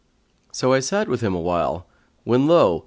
So I sat with him awhile, when lo!